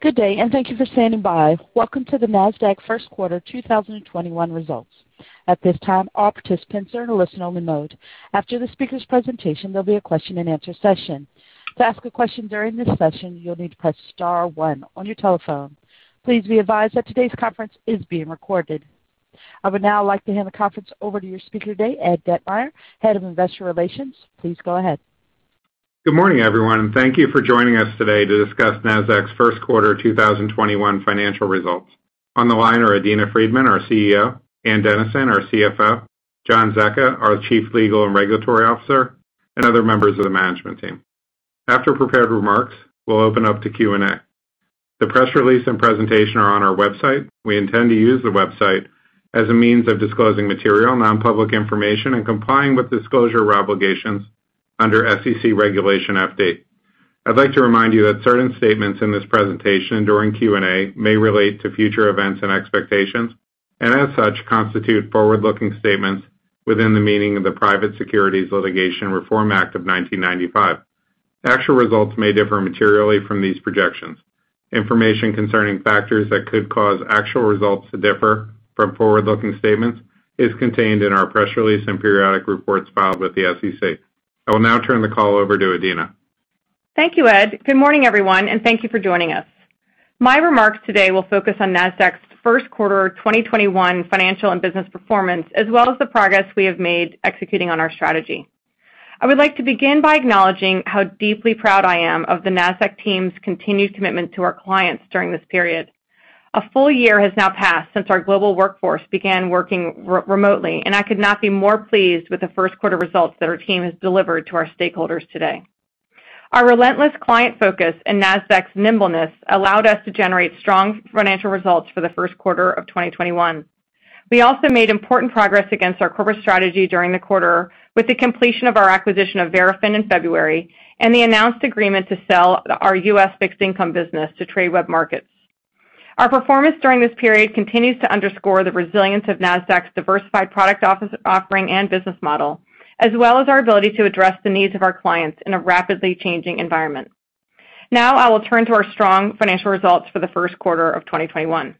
Good day, and thank you for standing by. Welcome to the Nasdaq first quarter 2021 results. At this time, all participants are in a listen-only mode. After the speaker's presentation, there'll be a question and answer session. To ask a question during this session, you'll need to press star one on your telephone. Please be advised that today's conference is being recorded. I would now like to hand the conference over to your speaker today, Ed Ditmire, Head of Investor Relations. Please go ahead. Good morning, everyone. Thank you for joining us today to discuss Nasdaq's first quarter 2021 financial results. On the line are Adena Friedman, our CEO, Ann Dennison, our CFO, John Zecca, our Chief Legal and Regulatory Officer, and other members of the management team. After prepared remarks, we'll open up to Q&A. The press release and presentation are on our website. We intend to use the website as a means of disclosing material non-public information and complying with disclosure obligations under SEC Regulation FD. I'd like to remind you that certain statements in this presentation during Q&A may relate to future events and expectations, and as such, constitute forward-looking statements within the meaning of the Private Securities Litigation Reform Act of 1995. Actual results may differ materially from these projections. Information concerning factors that could cause actual results to differ from forward-looking statements is contained in our press release and periodic reports filed with the SEC. I will now turn the call over to Adena. Thank you, Ed. Good morning, everyone, and thank you for joining us. My remarks today will focus on Nasdaq's first quarter 2021 financial and business performance, as well as the progress we have made executing on our strategy. I would like to begin by acknowledging how deeply proud I am of the Nasdaq team's continued commitment to our clients during this period. A full year has now passed since our global workforce began working remotely, and I could not be more pleased with the first quarter results that our team has delivered to our stakeholders today. Our relentless client focus and Nasdaq's nimbleness allowed us to generate strong financial results for the first quarter of 2021. We also made important progress against our corporate strategy during the quarter with the completion of our acquisition of Verafin in February and the announced agreement to sell our U.S. fixed income business to Tradeweb Markets. Our performance during this period continues to underscore the resilience of Nasdaq's diversified product offering and business model, as well as our ability to address the needs of our clients in a rapidly changing environment. Now I will turn to our strong financial results for the first quarter of 2021.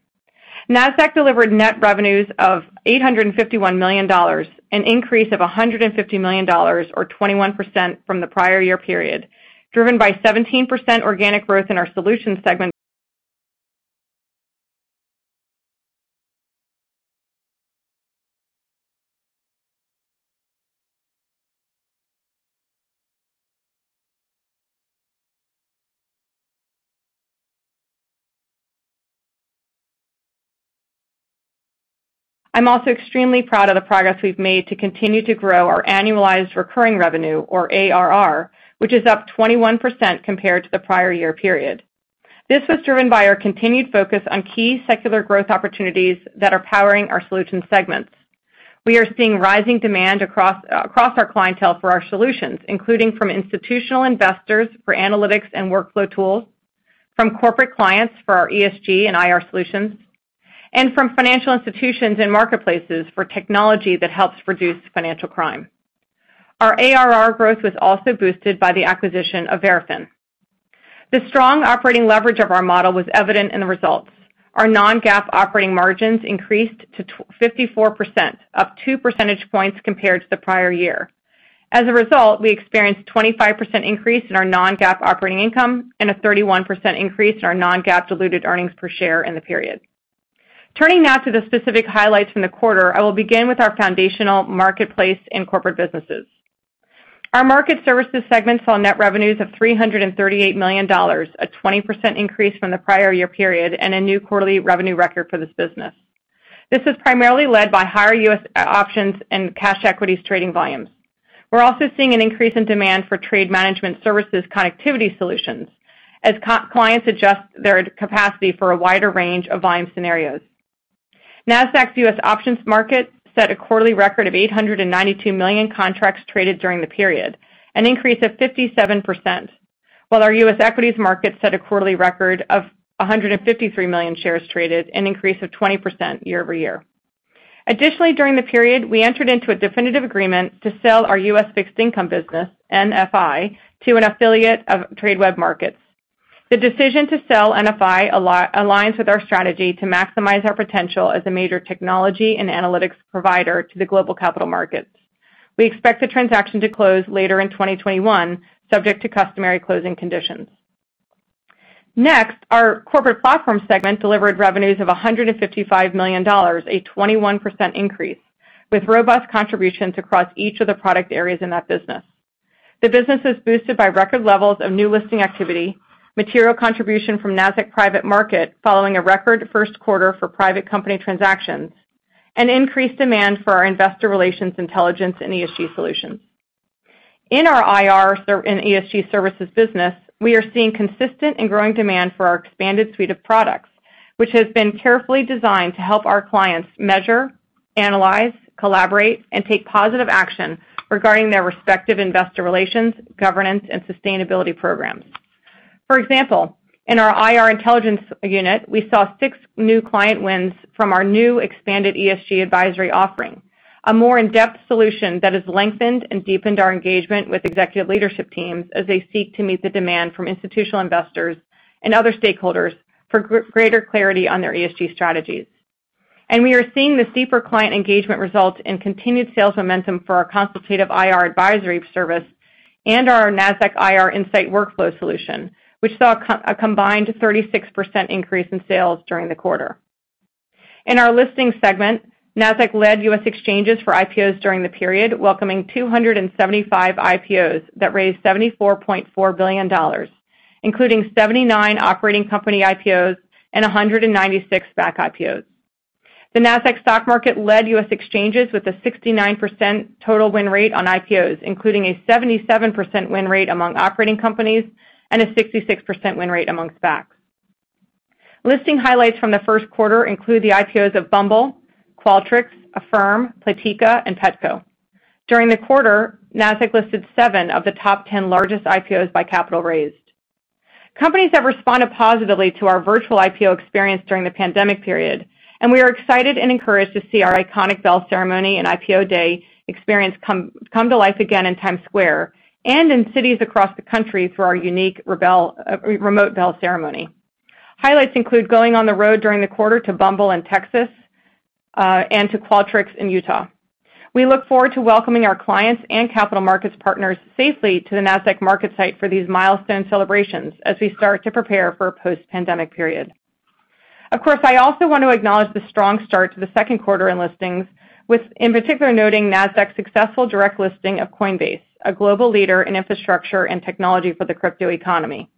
Nasdaq delivered net revenues of $851 million, an increase of $150 million or 21% from the prior year period, driven by 17% organic growth in our solutions segment. I'm also extremely proud of the progress we've made to continue to grow our annualized recurring revenue or ARR, which is up 21% compared to the prior year period. This was driven by our continued focus on key secular growth opportunities that are powering our solutions segments. We are seeing rising demand across our clientele for our solutions, including from institutional investors for analytics and workflow tools, from corporate clients for our ESG and IR solutions, and from financial institutions and marketplaces for technology that helps reduce financial crime. Our ARR growth was also boosted by the acquisition of Verafin. The strong operating leverage of our model was evident in the results. Our non-GAAP operating margins increased to 54%, up two percentage points compared to the prior year. As a result, we experienced a 25% increase in our non-GAAP operating income and a 31% increase in our non-GAAP diluted earnings per share in the period. Turning now to the specific highlights from the quarter, I will begin with our foundational marketplace and corporate businesses. Our market services segment saw net revenues of $338 million, a 20% increase from the prior year period and a new quarterly revenue record for this business. This is primarily led by higher U.S. options and cash equities trading volumes. We're also seeing an increase in demand for trade management services connectivity solutions as clients adjust their capacity for a wider range of volume scenarios. Nasdaq's U.S. options market set a quarterly record of 892 million contracts traded during the period, an increase of 57%, while our U.S. equities market set a quarterly record of 153 million shares traded, an increase of 20% year-over-year. Additionally, during the period, we entered into a definitive agreement to sell our U.S. fixed income business, NFI, to an affiliate of Tradeweb Markets. The decision to sell NFI aligns with our strategy to maximize our potential as a major technology and analytics provider to the global capital markets. We expect the transaction to close later in 2021, subject to customary closing conditions. Next, our corporate platform segment delivered revenues of $155 million, a 21% increase, with robust contributions across each of the product areas in that business. The business is boosted by record levels of new listing activity, material contribution from Nasdaq Private Market following a record first quarter for private company transactions, and increased demand for our investor relations intelligence and ESG solutions. In our IR & ESG Services business, we are seeing consistent and growing demand for our expanded suite of products, which has been carefully designed to help our clients measure, analyze, collaborate, and take positive action regarding their respective investor relations, governance, and sustainability programs. For example, in our IR intelligence unit, we saw six new client wins from our new expanded ESG advisory offering. A more in-depth solution that has lengthened and deepened our engagement with executive leadership teams as they seek to meet the demand from institutional investors and other stakeholders for greater clarity on their ESG strategies. We are seeing this deeper client engagement result in continued sales momentum for our consultative IR advisory service and our Nasdaq IR Insight workflow solution, which saw a combined 36% increase in sales during the quarter. In our listing segment, Nasdaq led U.S. exchanges for IPOs during the period, welcoming 275 IPOs that raised $74.4 billion, including 79 operating company IPOs and 196 SPAC IPOs. The Nasdaq Stock Market led U.S. exchanges with a 69% total win rate on IPOs, including a 77% win rate among operating companies and a 66% win rate amongst SPACs. Listing highlights from the first quarter include the IPOs of Bumble, Qualtrics, Affirm, Playtika, and Petco. During the quarter, Nasdaq listed seven of the top 10 largest IPOs by capital raised. Companies have responded positively to our virtual IPO experience during the pandemic period, and we are excited and encouraged to see our iconic bell ceremony and IPO day experience come to life again in Times Square and in cities across the country for our unique remote bell ceremony. Highlights include going on the road during the quarter to Bumble in Texas, and to Qualtrics in Utah. We look forward to welcoming our clients and capital markets partners safely to the Nasdaq MarketSite for these milestone celebrations as we start to prepare for a post-pandemic period. Of course, I also want to acknowledge the strong start to the second quarter in listings with, in particular, noting Nasdaq's successful direct listing of Coinbase, a global leader in infrastructure and technology for the crypto economy.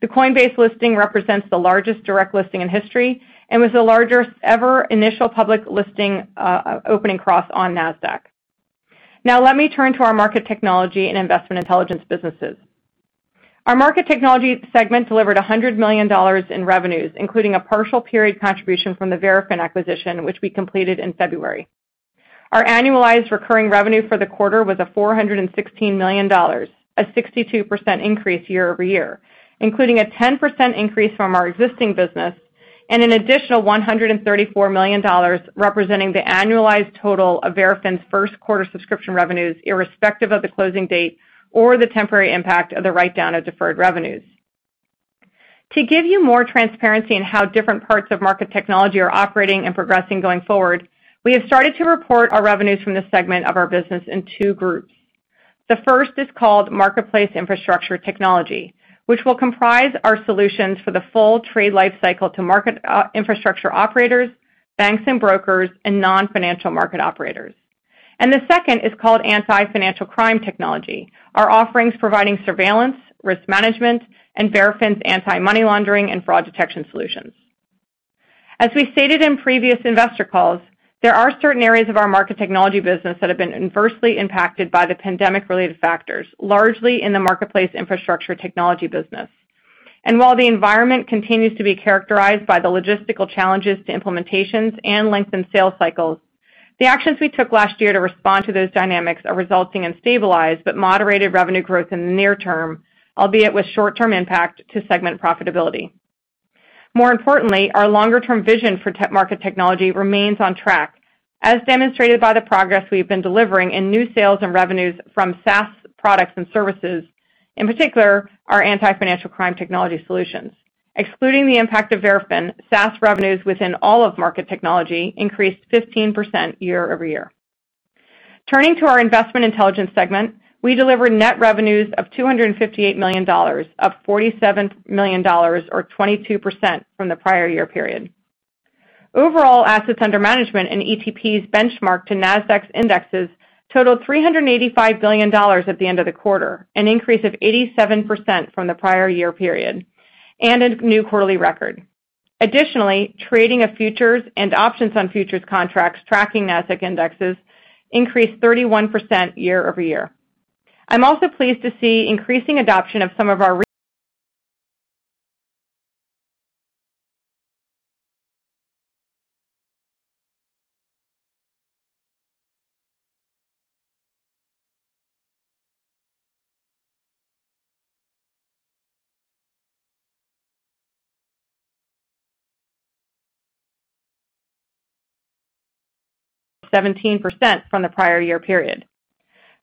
The Coinbase listing represents the largest direct listing in history and was the largest ever initial public listing opening cross on Nasdaq. Let me turn to Market Technology and Investment Intelligence businesses. Market Technology segment delivered $100 million in revenues, including a partial period contribution from the Verafin acquisition, which we completed in February. Our annualized recurring revenue for the quarter was $416 million, a 62% increase year-over-year, including a 10% increase from our existing business and an additional $134 million representing the annualized total of Verafin's first quarter subscription revenues, irrespective of the closing date or the temporary impact of the write-down of deferred revenues. To give you more transparency in how different parts Market Technology are operating and progressing going forward, we have started to report our revenues from this segment of our business in two groups. The first is called Marketplace Infrastructure Technology, which will comprise our solutions for the full trade life cycle to market infrastructure operators, banks and brokers, and non-financial market operators. The second is called Anti-Financial Crime Technology, our offerings providing surveillance, risk management, and Verafin's anti-money laundering and fraud detection solutions. As we stated in previous investor calls, there are certain areas of Market Technology business that have been adversely impacted by the pandemic-related factors, largely in the Marketplace Infrastructure Technology business. While the environment continues to be characterized by the logistical challenges to implementations and lengthened sales cycles, the actions we took last year to respond to those dynamics are resulting in stabilized but moderated revenue growth in the near-term, albeit with short-term impact to segment profitability. More importantly, our longer-term vision Market Technology remains on track, as demonstrated by the progress we've been delivering in new sales and revenues from SaaS products and services, in particular, our Anti-Financial Crime Technology solutions. Excluding the impact of Verafin, SaaS revenues within all Market Technology increased 15% year-over-year. Turning to our Investment Intelligence segment, we delivered net revenues of $258 million, up $47 million, or 22%, from the prior year period. Overall assets under management in ETPs benchmarked to Nasdaq's indexes totaled $385 billion at the end of the quarter, an increase of 87% from the prior year period, a new quarterly record. Additionally, trading of futures and options on futures contracts tracking Nasdaq indexes increased 31% year-over-year. I'm also pleased to see increasing adoption of some of our. 17% from the prior year period.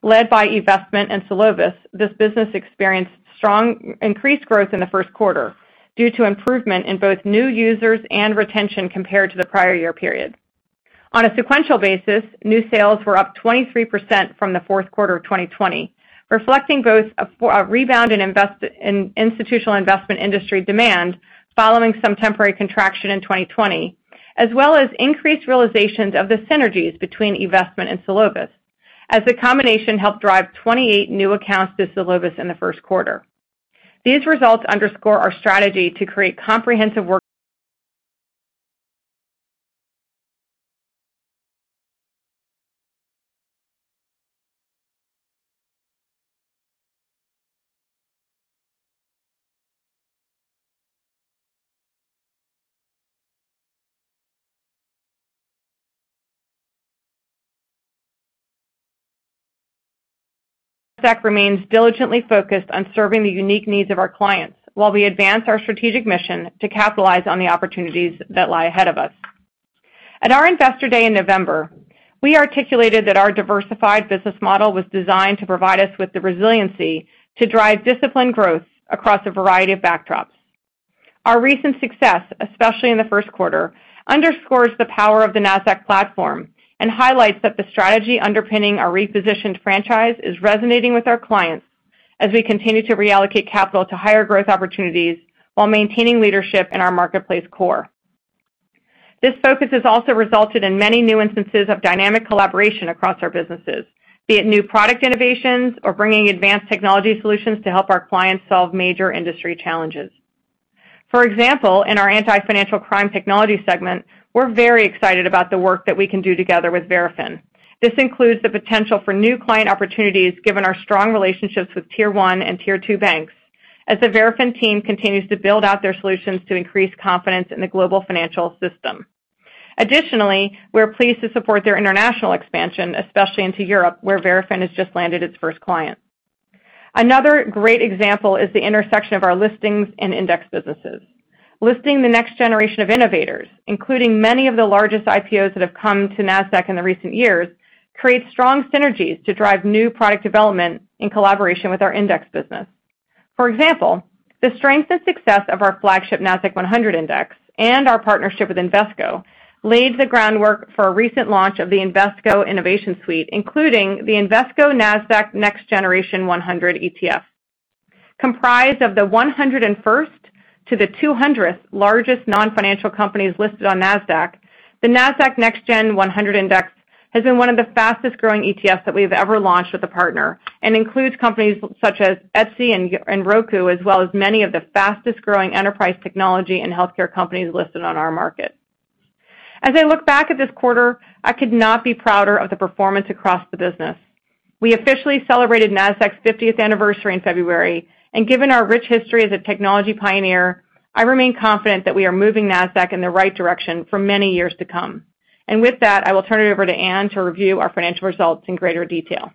Led by eVestment and Solovis, this business experienced strong increased growth in the first quarter due to improvement in both new users and retention compared to the prior year period. On a sequential basis, new sales were up 23% from the fourth quarter of 2020, reflecting both a rebound in institutional investment industry demand following some temporary contraction in 2020, as well as increased realizations of the synergies between eVestment and Solovis, as the combination helped drive 28 new accounts to Solovis in the first quarter. These results underscore our strategy to create comprehensive work-Nasdaq remains diligently focused on serving the unique needs of our clients while we advance our strategic mission to capitalize on the opportunities that lie ahead of us. At our Investor Day in November, we articulated that our diversified business model was designed to provide us with the resiliency to drive disciplined growth across a variety of backdrops. Our recent success, especially in the first quarter, underscores the power of the Nasdaq platform and highlights that the strategy underpinning our repositioned franchise is resonating with our clients as we continue to reallocate capital to higher growth opportunities while maintaining leadership in our marketplace core. This focus has also resulted in many new instances of dynamic collaboration across our businesses, be it new product innovations or bringing advanced technology solutions to help our clients solve major industry challenges. For example, in our Anti-Financial Crime Technology segment, we're very excited about the work that we can do together with Verafin. This includes the potential for new client opportunities, given our strong relationships with Tier 1 and Tier 2 banks, as the Verafin team continues to build out their solutions to increase confidence in the global financial system. Additionally, we're pleased to support their international expansion, especially into Europe, where Verafin has just landed its first client. Another great example is the intersection of our listings and index businesses. Listing the next generation of innovators, including many of the largest IPOs that have come to Nasdaq in recent years, creates strong synergies to drive new product development in collaboration with our index business. For example, the strength and success of our flagship Nasdaq-100 index and our partnership with Invesco laid the groundwork for a recent launch of the Invesco Innovation Suite, including the Invesco Nasdaq Next Generation 100 ETF. Comprised of the 101st to the 200th largest non-financial companies listed on Nasdaq, the Nasdaq Next Generation 100 Index has been one of the fastest-growing ETFs that we've ever launched with a partner and includes companies such as Etsy and Roku, as well as many of the fastest-growing enterprise technology and healthcare companies listed on our market. As I look back at this quarter, I could not be prouder of the performance across the business. We officially celebrated Nasdaq's 50th anniversary in February, and given our rich history as a technology pioneer, I remain confident that we are moving Nasdaq in the right direction for many years to come. With that, I will turn it over to Ann to review our financial results in greater detail.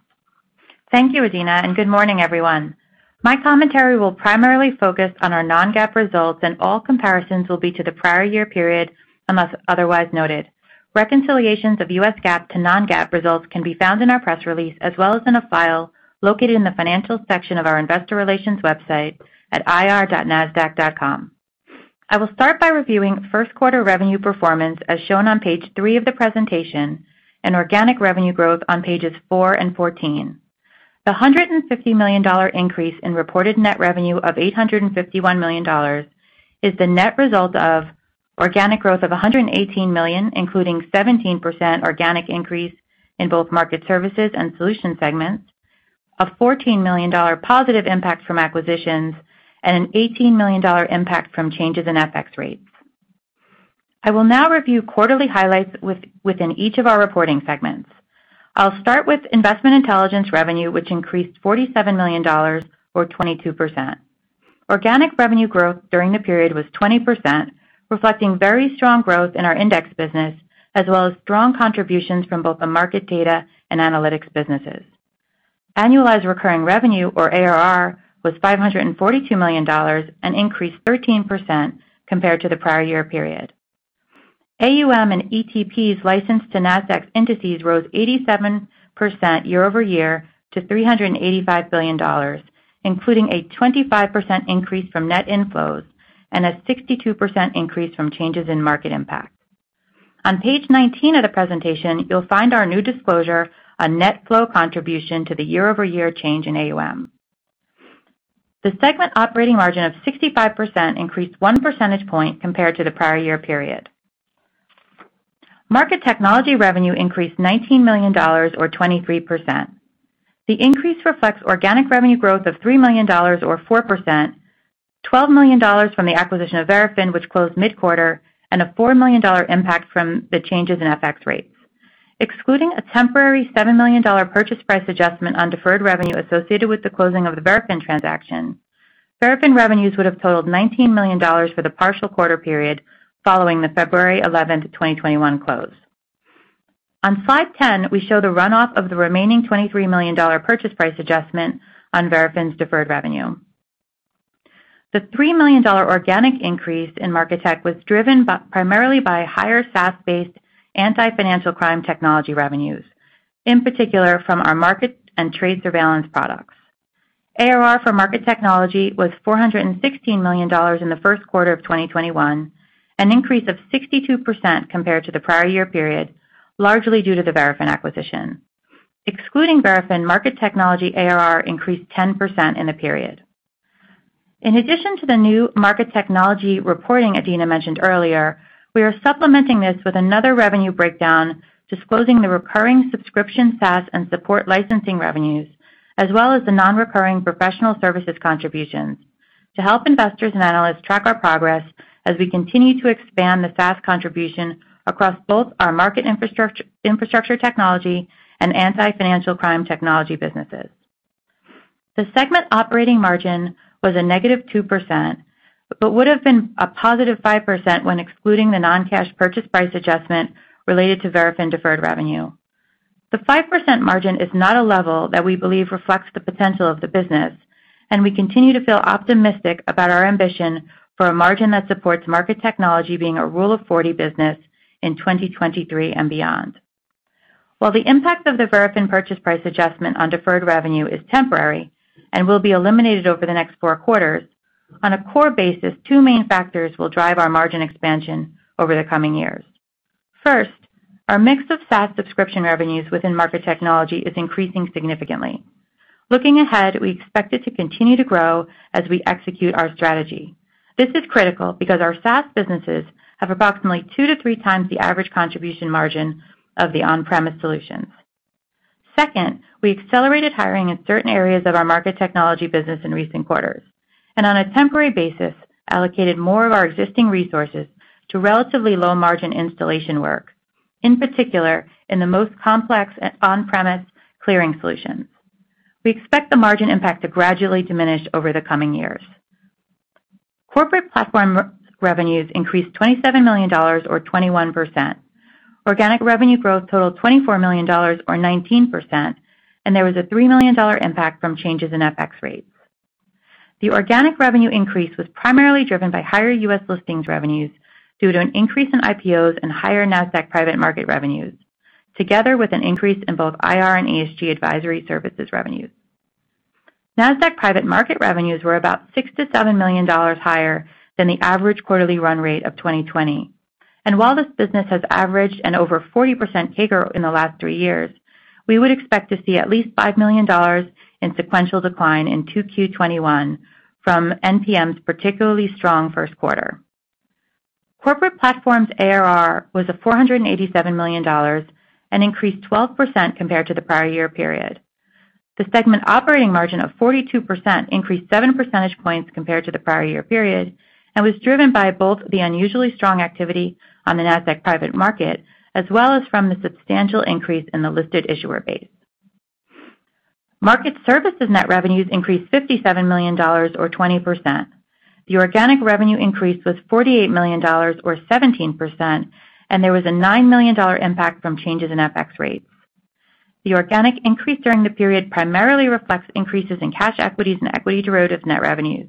Thank you, Adena, and good morning, everyone. My commentary will primarily focus on our non-GAAP results, and all comparisons will be to the prior year period, unless otherwise noted. Reconciliations of US GAAP to non-GAAP results can be found in our press release, as well as in a file located in the Financial section of our investor relations website at ir.nasdaq.com. I will start by reviewing first quarter revenue performance, as shown on page three of the presentation, and organic revenue growth on pages four and 14. The $150 million increase in reported net revenue of $851 million is the net result of organic growth of $118 million, including 17% organic increase in both market services and solution segments, a $14 million+ impact from acquisitions, and an $18 million impact from changes in FX rates. I will now review quarterly highlights within each of our reporting segments. I'll start with Investment Intelligence revenue, which increased $47 million, or 22%. Organic revenue growth during the period was 20%, reflecting very strong growth in our index business, as well as strong contributions from both the market data and analytics businesses. Annualized recurring revenue, or ARR, was $542 million, an increase 13% compared to the prior year period. AUM and ETPs licensed to Nasdaq indices rose 87% year-over-year to $385 billion, including a 25% increase from net inflows and a 62% increase from changes in market impact. On page 19 of the presentation, you'll find our new disclosure on net flow contribution to the year-over-year change in AUM. The segment operating margin of 65% increased one percentage point compared to the prior year Market Technology revenue increased $19 million, or 23%. The increase reflects organic revenue growth of $3 million, or 4%, $12 million from the acquisition of Verafin, which closed mid-quarter, and a $4 million impact from the changes in FX rates. Excluding a temporary $7 million purchase price adjustment on deferred revenue associated with the closing of the Verafin transaction, Verafin revenues would have totaled $19 million for the partial quarter period following the February 11th, 2021, close. On slide 10, we show the runoff of the remaining $23 million purchase price adjustment on Verafin's deferred revenue. The $3 million organic increase in Market Tech was driven primarily by higher SaaS-based Anti-Financial Crime Technology revenues, in particular from our market and trade surveillance products. ARR Market Technology was $416 million in the first quarter of 2021, an increase of 62% compared to the prior year period, largely due to the Verafin acquisition. Excluding Market Technology ARR increased 10% in the period. In addition to the Market Technology reporting Adena mentioned earlier, we are supplementing this with another revenue breakdown disclosing the recurring subscription, SaaS, and support licensing revenues, as well as the non-recurring professional services contributions to help investors and analysts track our progress as we continue to expand the SaaS contribution across both our Marketplace Infrastructure Technology and Anti-Financial Crime Technology businesses. The segment operating margin was a -2% but would have been a +5% when excluding the non-cash purchase price adjustment related to Verafin deferred revenue. The 5% margin is not a level that we believe reflects the potential of the business, and we continue to feel optimistic about our ambition for a margin that Market Technology being a Rule of 40 business in 2023 and beyond. While the impact of the Verafin purchase price adjustment on deferred revenue is temporary and will be eliminated over the next four quarters, on a core basis, two main factors will drive our margin expansion over the coming years. First, our mix of SaaS subscription revenues Market Technology is increasing significantly. Looking ahead, we expect it to continue to grow as we execute our strategy. This is critical because our SaaS businesses have approximately two to three times the average contribution margin of the on-premise solutions. Second, we accelerated hiring in certain areas of Market Technology business in recent quarters, and on a temporary basis, allocated more of our existing resources to relatively low-margin installation work, in particular, in the most complex on-premise clearing solutions. We expect the margin impact to gradually diminish over the coming years. Corporate platform revenues increased $27 million or 21%. Organic revenue growth totaled $24 million or 19%. There was a $3 million impact from changes in FX rates. The organic revenue increase was primarily driven by higher U.S. listings revenues due to an increase in IPOs and higher Nasdaq Private Market revenues, together with an increase in both IR and ESG advisory services revenues. Nasdaq Private Market revenues were about $6 million-$7 million higher than the average quarterly run rate of 2020. While this business has averaged an over 40% CAGR in the last three years, we would expect to see at least $5 million in sequential decline in 2Q 2021 from NPM's particularly strong first quarter. Corporate platforms ARR was at $487 million and increased 12% compared to the prior year period. The segment operating margin of 42% increased seven percentage points compared to the prior year period, and was driven by both the unusually strong activity on the Nasdaq Private Market, as well as from the substantial increase in the listed issuer base. Market services net revenues increased $57 million or 20%. The organic revenue increase was $48 million or 17%, and there was a $9 million impact from changes in FX rates. The organic increase during the period primarily reflects increases in cash equities and equity derivatives net revenues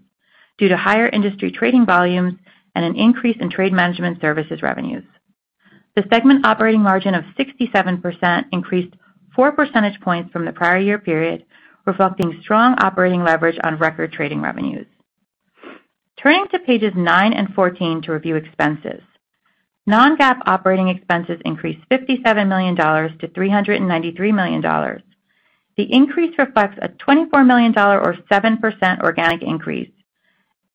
due to higher industry trading volumes and an increase in trade management services revenues. The segment operating margin of 67% increased four percentage points from the prior year period, reflecting strong operating leverage on record trading revenues. Turning to pages nine and 14 to review expenses. Non-GAAP operating expenses increased $57 million-$393 million. The increase reflects a $24 million or 7% organic increase,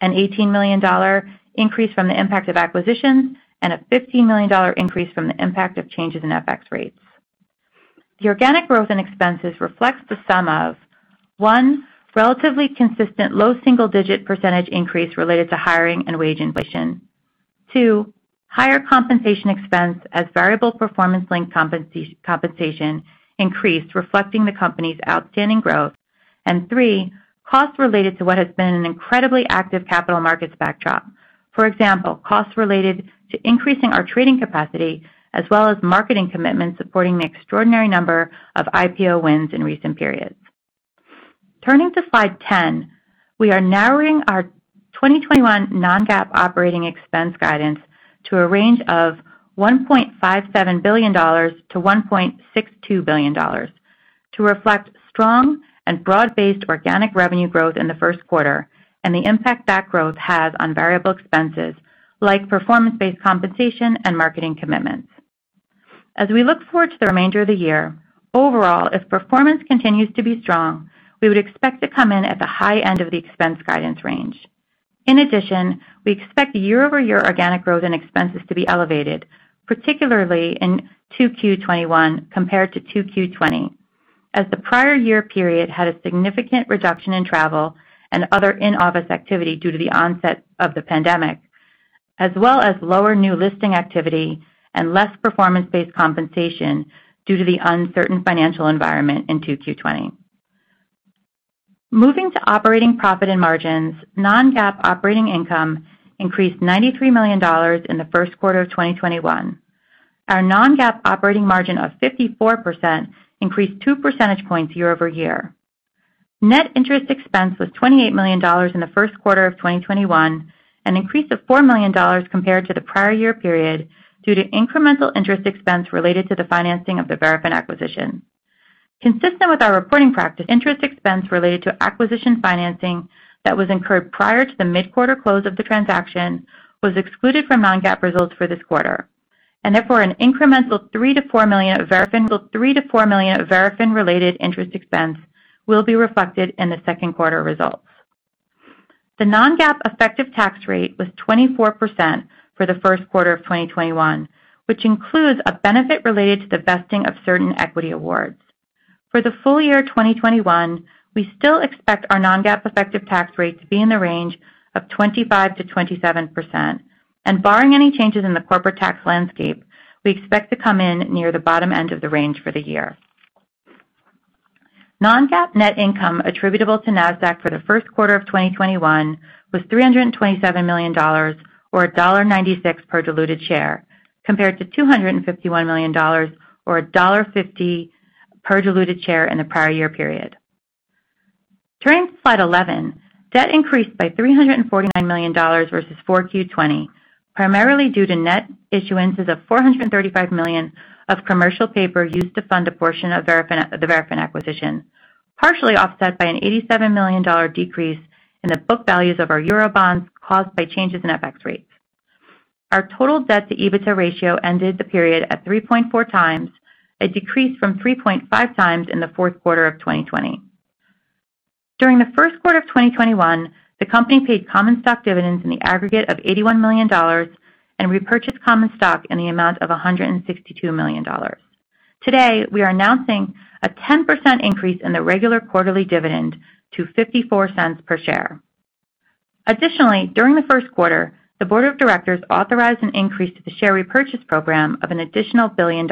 an $18 million increase from the impact of acquisitions, and a $15 million increase from the impact of changes in FX rates. The organic growth in expenses reflects the sum of, one, relatively consistent low single-digit percentage increase related to hiring and wage inflation. Two, higher compensation expense as variable performance-linked compensation increased, reflecting the company's outstanding growth. Three, costs related to what has been an incredibly active capital markets backdrop. For example, costs related to increasing our trading capacity, as well as marketing commitments supporting the extraordinary number of IPO wins in recent periods. Turning to slide 10, we are narrowing our 2021 non-GAAP operating expense guidance to a range of $1.57 billion-$1.62 billion to reflect strong and broad-based organic revenue growth in the first quarter and the impact that growth has on variable expenses like performance-based compensation and marketing commitments. As we look forward to the remainder of the year, overall, if performance continues to be strong, we would expect to come in at the high end of the expense guidance range. In addition, we expect year-over-year organic growth and expenses to be elevated, particularly in 2Q 2021 compared to 2Q 2020, as the prior year period had a significant reduction in travel and other in-office activity due to the onset of the pandemic, as well as lower new listing activity and less performance-based compensation due to the uncertain financial environment in 2Q 2020. Moving to operating profit and margins, non-GAAP operating income increased $93 million in the first quarter of 2021. Our non-GAAP operating margin of 54% increased two percentage points year-over-year. Net interest expense was $28 million in the first quarter of 2021, an increase of $4 million compared to the prior year period, due to incremental interest expense related to the financing of the Verafin acquisition. Consistent with our reporting practice, interest expense related to acquisition financing that was incurred prior to the mid-quarter close of the transaction was excluded from non-GAAP results for this quarter, and therefore an incremental $3 million-$4 million of Verafin-related interest expense will be reflected in the second quarter results. The non-GAAP effective tax rate was 24% for the first quarter of 2021, which includes a benefit related to the vesting of certain equity awards. For the full year 2021, we still expect our non-GAAP effective tax rate to be in the range of 25%-27%, barring any changes in the corporate tax landscape, we expect to come in near the bottom end of the range for the year. Non-GAAP net income attributable to Nasdaq for the first quarter of 2021 was $327 million, or $1.96 per diluted share, compared to $251 million, or $1.50 per diluted share in the prior year period. Turning to slide 11, debt increased by $349 million versus 4Q 2020, primarily due to net issuances of $435 million of commercial paper used to fund a portion of the Verafin acquisition, partially offset by an $87 million decrease in the book values of our Euro bonds caused by changes in FX rates. Our total debt to EBITDA ratio ended the period at 3.4x, a decrease from 3.5x in the fourth quarter of 2020. During the first quarter of 2021, the company paid common stock dividends in the aggregate of $81 million and repurchased common stock in the amount of $162 million. Today, we are announcing a 10% increase in the regular quarterly dividend to $0.54 per share. Additionally, during the first quarter, the board of directors authorized an increase to the share repurchase program of an additional $1 billion,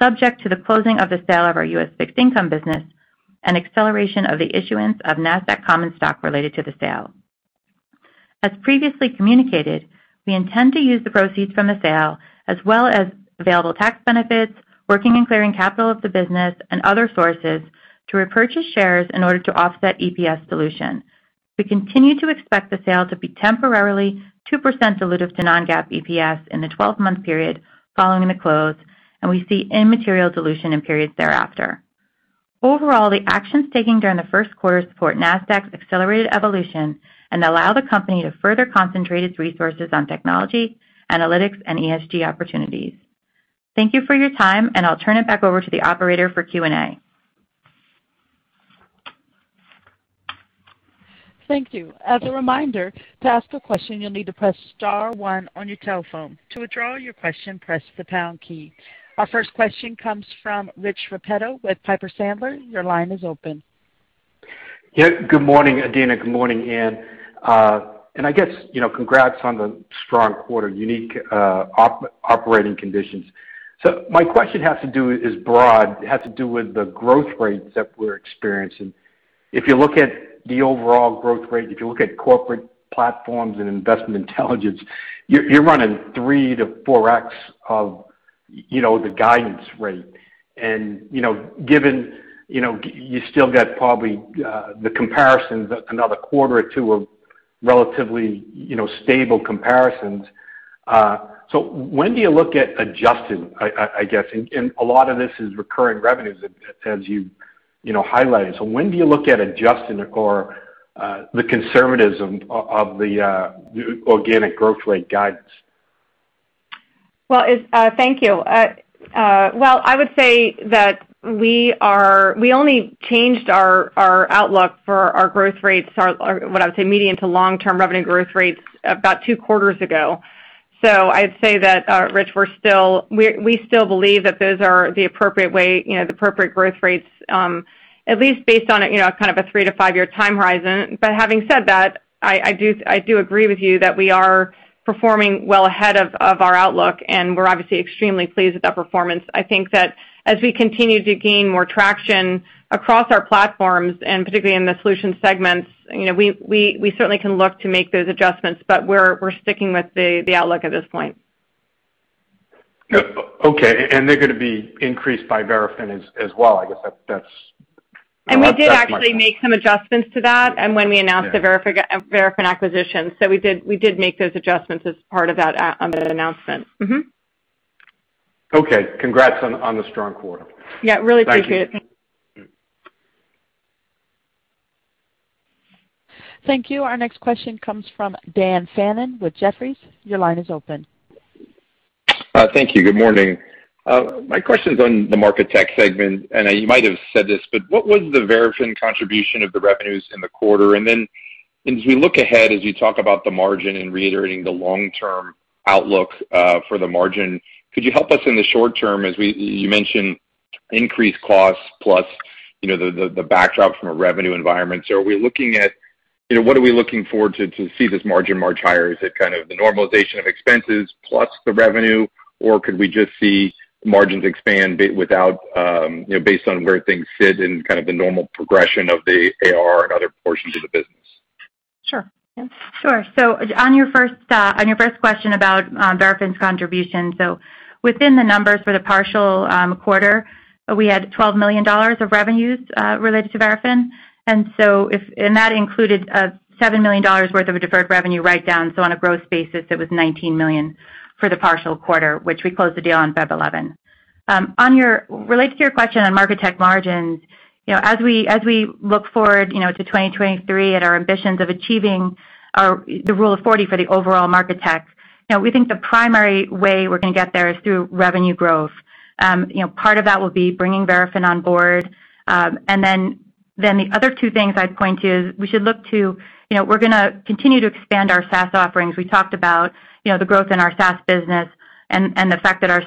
subject to the closing of the sale of our U.S. fixed income business and acceleration of the issuance of Nasdaq common stock related to the sale. As previously communicated, we intend to use the proceeds from the sale as well as available tax benefits, working and clearing capital of the business and other sources to repurchase shares in order to offset EPS dilution. We continue to expect the sale to be temporarily 2% dilutive to non-GAAP EPS in the 12-month period following the close, and we see immaterial dilution in periods thereafter. Overall, the actions taken during the first quarter support Nasdaq's accelerated evolution and allow the company to further concentrate its resources on technology, analytics, and ESG opportunities. Thank you for your time, and I'll turn it back over to the operator for Q&A. Thank you. As a reminder, to ask a question, you'll need to press star one on your telephone. To withdraw your question, press the pound key. Our first question comes from Rich Repetto with Piper Sandler. Your line is open. Yeah. Good morning, Adena. Good morning, Ann. I guess congrats on the strong quarter, unique operating conditions. My question is broad. It has to do with the growth rates that we're experiencing. If you look at the overall growth rate, if you look at corporate platforms and Investment Intelligence, you're running 3x-4x of the guidance rate. You still got probably the comparisons, another quarter or two of relatively stable comparisons. When do you look at adjusting, I guess, and a lot of this is recurring revenues as you highlighted. When do you look at adjusting or the conservatism of the organic growth rate guidance? Well, thank you. Well, I would say that we only changed our outlook for our growth rates, what I would say medium to long-term revenue growth rates about two quarters ago. I'd say that, Rich, we still believe that those are the appropriate growth rates, at least based on a kind of a three to five-year time horizon. Having said that, I do agree with you that we are performing well ahead of our outlook, and we're obviously extremely pleased with that performance. I think that as we continue to gain more traction across our platforms, and particularly in the solution segments, we certainly can look to make those adjustments. We're sticking with the outlook at this point. Okay. They're going to be increased by Verafin as well, I guess. We did actually make some adjustments to that and when we announced the Verafin acquisition. We did make those adjustments as part of that announcement. Okay. Congrats on the strong quarter. Yeah, really appreciate it. Thank you. Thank you. Our next question comes from Dan Fannon with Jefferies. Your line is open. Thank you. Good morning. My question's on the Market Tech segment, and you might have said this, but what was the Verafin contribution of the revenues in the quarter? As we look ahead, as you talk about the margin and reiterating the long-term outlook for the margin, could you help us in the short-term as you mentioned increased costs plus the backdrop from a revenue environment. What are we looking forward to see this margin march higher? Is it kind of the normalization of expenses plus the revenue, or could we just see margins expand based on where things sit and kind of the normal progression of the ARR and other portions of the business? Sure. Ann? Sure. On your first question about Verafin's contribution, within the numbers for the partial quarter, we had $12 million of revenues related to Verafin. That included $7 million worth of a deferred revenue write-down. On a gross basis, it was $19 million for the partial quarter, which we closed the deal on February 11. Related to your question on Market Tech margins, as we look forward to 2023 at our ambitions of achieving the Rule of 40 for the overall Market Tech, we think the primary way we're going to get there is through revenue growth. Part of that will be bringing Verafin on board. Then the other two things I'd point to is we're going to continue to expand our SaaS offerings. We talked about the growth in our SaaS business and the fact that our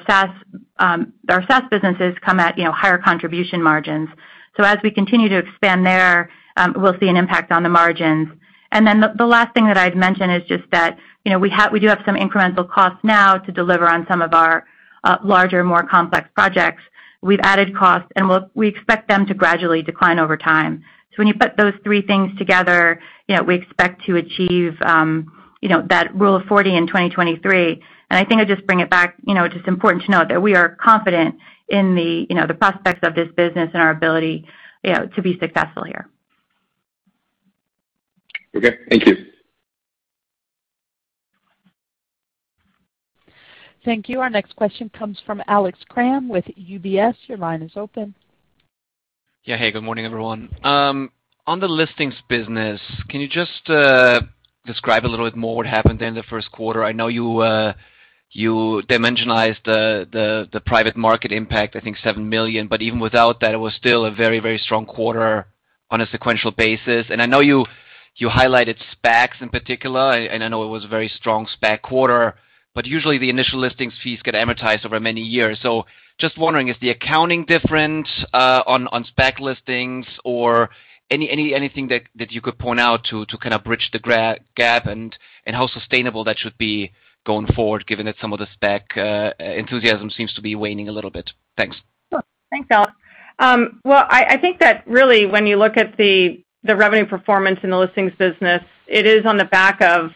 SaaS businesses come at higher contribution margins. As we continue to expand there, we'll see an impact on the margins. The last thing that I'd mention is just that we do have some incremental costs now to deliver on some of our larger, more complex projects. We've added costs, and we expect them to gradually decline over time. When you put those three things together, we expect to achieve that Rule of 40 in 2023. I think I'd just bring it back, just important to note that we are confident in the prospects of this business and our ability to be successful here. Okay, thank you. Thank you. Our next question comes from Alex Kramm with UBS. Your line is open. Good morning, everyone. On the listings business, can you just describe a little bit more what happened there in the first quarter? I know you dimensionized the private market impact, I think, $7 million, but even without that, it was still a very strong quarter on a sequential basis. I know you highlighted SPACs in particular, and I know it was a very strong SPAC quarter, but usually, the initial listings fees get amortized over many years. Just wondering, is the accounting different on SPAC listings or anything that you could point out to kind of bridge the gap and how sustainable that should be going forward, given that some of the SPAC enthusiasm seems to be waning a little bit? Thanks. Sure. Thanks, Alex. I think that really when you look at the revenue performance in the listings business, it is on the back of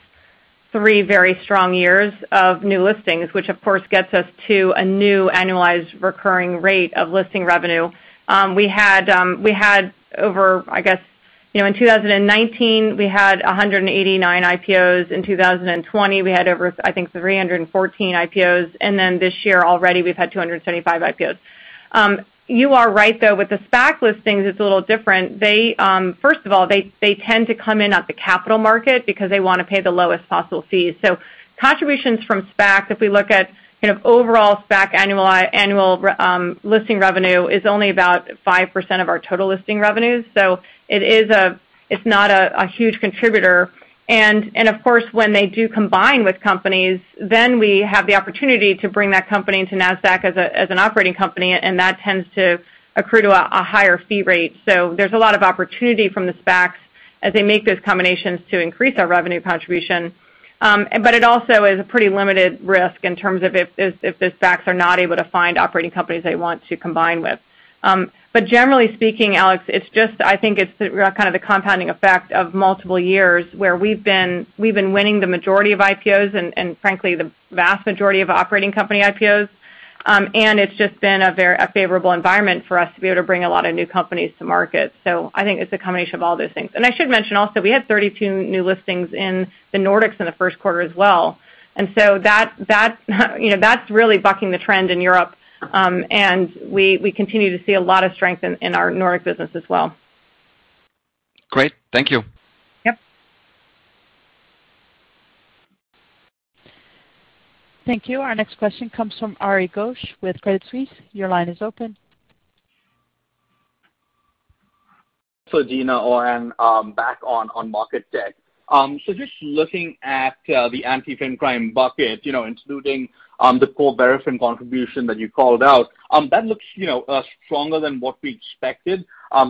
three very strong years of new listings, which of course, gets us to a new annualized recurring rate of listing revenue. In 2019, we had 189 IPOs. In 2020, we had over, I think, 314 IPOs, and then this year already, we've had 275 IPOs. You are right, though, with the SPAC listings, it's a little different. First of all, they tend to come in at the capital market because they want to pay the lowest possible fees. Contributions from SPAC, if we look at overall SPAC annual listing revenue is only about 5% of our total listing revenues. It's not a huge contributor. Of course, when they do combine with companies, then we have the opportunity to bring that company into Nasdaq as an operating company, and that tends to accrue to a higher fee rate. There's a lot of opportunity from the SPACs as they make those combinations to increase our revenue contribution. It also is a pretty limited risk in terms of if the SPACs are not able to find operating companies they want to combine with. Generally speaking, Alex, I think it's kind of the compounding effect of multiple years where we've been winning the majority of IPOs and frankly, the vast majority of operating company IPOs. It's just been a favorable environment for us to be able to bring a lot of new companies to market. I think it's a combination of all those things. I should mention also, we had 32 new listings in the Nordics in the first quarter as well. That's really bucking the trend in Europe. We continue to see a lot of strength in our Nordic business as well. Great. Thank you. Yep. Thank you. Our next question comes from Ari Ghosh with Credit Suisse. Your line is open. Adena or Ann, back on Market Tech. Just looking at the Anti-Financial Crime bucket, including the core Verafin contribution that you called out, that looks stronger than what we expected.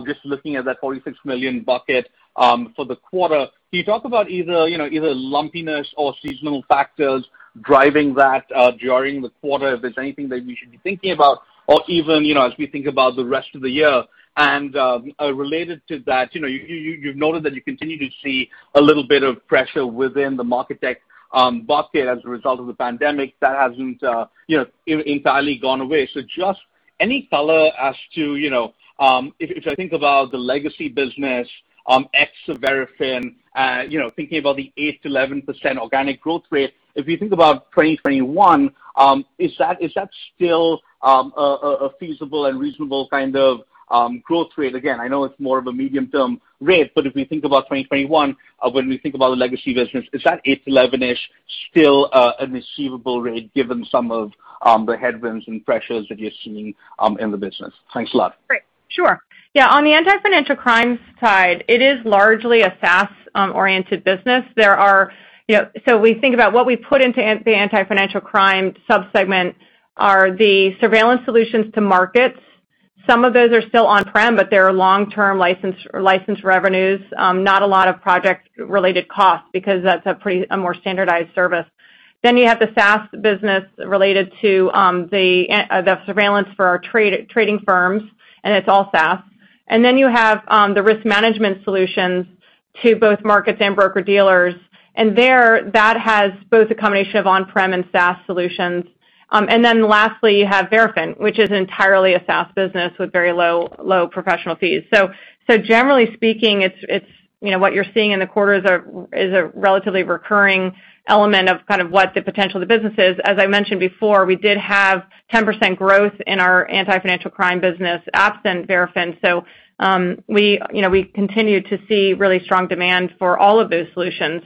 Just looking at that $46 million bucket for the quarter, can you talk about either lumpiness or seasonal factors driving that during the quarter, if there's anything that we should be thinking about or even, as we think about the rest of the year. Related to that, you've noted that you continue to see a little bit of pressure within the Market Tech bucket as a result of the pandemic. That hasn't entirely gone away. Just any color as to, if I think about the legacy business, ex Verafin, thinking about the 8%-11% organic growth rate, if you think about 2021, is that still a feasible and reasonable kind of growth rate? I know it's more of a medium-term rate, but if we think about 2021, when we think about the legacy business, is that 8-11-ish still an achievable rate given some of the headwinds and pressures that you're seeing in the business? Thanks a lot. Great. Sure. Yeah, on the anti-financial crime side, it is largely a SaaS-oriented business. We think about what we put into the Anti-Financial Crime sub-segment are the surveillance solutions to markets. Some of those are still on-prem, but they're long-term license revenues. Not a lot of project-related costs because that's a more standardized service. You have the SaaS business related to the surveillance for our trading firms, and it's all SaaS. You have the risk management solutions to both markets and broker-dealers. There, that has both a combination of on-prem and SaaS solutions. Lastly, you have Verafin, which is entirely a SaaS business with very low professional fees. Generally speaking, what you're seeing in the quarter is a relatively recurring element of kind of what the potential of the business is. As I mentioned before, we did have 10% growth in our Anti-Financial Crime Technology, absent Verafin. We continue to see really strong demand for all of those solutions.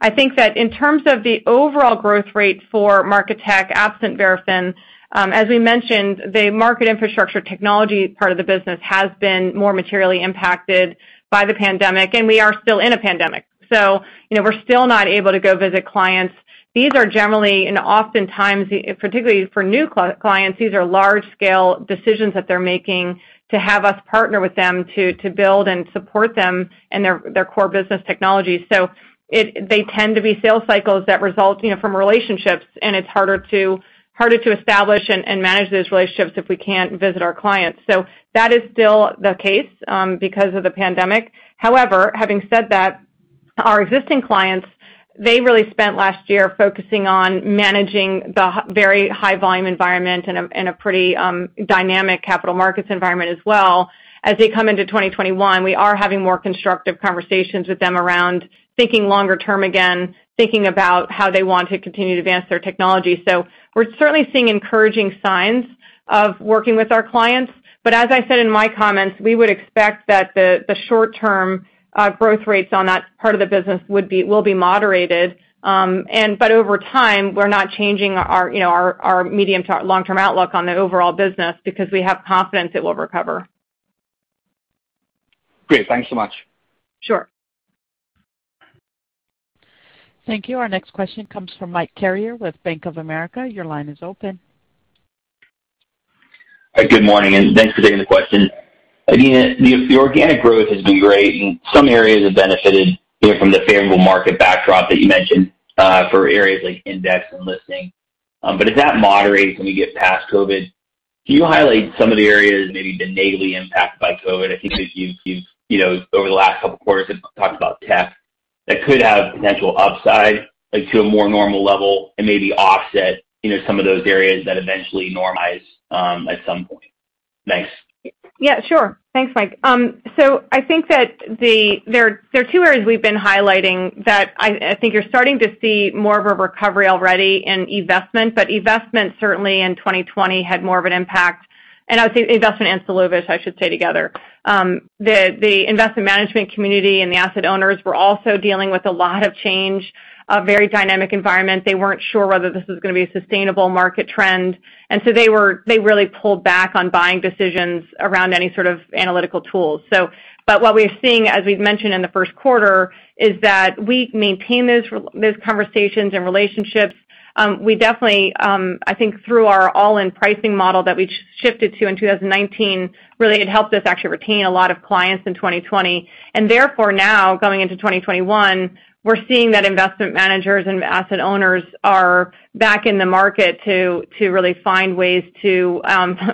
I think that in terms of the overall growth rate for Marketplace Infrastructure Technology, absent Verafin, as we mentioned, the Marketplace Infrastructure Technology part of the business has been more materially impacted by the pandemic, and we are still in a pandemic. We're still not able to go visit clients. These are generally, and oftentimes, particularly for new clients, these are large-scale decisions that they're making to have us partner with them to build and support them in their core business technology. They tend to be sales cycles that result from relationships, and it's harder to establish and manage those relationships if we can't visit our clients. That is still the case because of the pandemic. Having said that, our existing clients, they really spent last year focusing on managing the very high volume environment and a pretty dynamic capital markets environment as well. As they come into 2021, we are having more constructive conversations with them around thinking longer-term again, thinking about how they want to continue to advance their technology. We're certainly seeing encouraging signs of working with our clients. As I said in my comments, we would expect that the short-term growth rates on that part of the business will be moderated. Over time, we're not changing our medium to long-term outlook on the overall business because we have confidence it will recover. Great. Thanks so much. Sure. Thank you. Our next question comes from Mike Carrier with Bank of America. Your line is open. Good morning, and thanks for taking the question. Adena, the organic growth has been great, and some areas have benefited from the favorable market backdrop that you mentioned for areas like index and listing. As that moderates when we get past COVID, can you highlight some of the areas maybe been negatively impacted by COVID? I think that you've, over the last couple of quarters, have talked about tech that could have potential upside to a more normal level and maybe offset some of those areas that eventually normalize at some point. Thanks. Yeah, sure. Thanks, Mike. I think that there are two areas we've been highlighting that I think you're starting to see more of a recovery already in eVestment, but eVestment certainly in 2020 had more of an impact. I would say eVestment and Solovis, I should say, together. The investment management community and the asset owners were also dealing with a lot of change, a very dynamic environment. They weren't sure whether this was going to be a sustainable market trend. They really pulled back on buying decisions around any sort of analytical tools. What we're seeing, as we've mentioned in the first quarter, is that we maintain those conversations and relationships. We definitely, I think through our all-in pricing model that we shifted to in 2019, really it helped us actually retain a lot of clients in 2020. Therefore now, going into 2021, we're seeing that investment managers and asset owners are back in the market to really find ways to